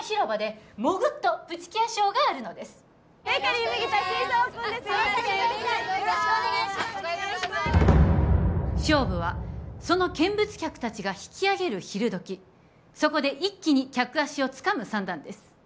お帰りにどうぞ勝負はその見物客達が引きあげる昼時そこで一気に客足をつかむ算段です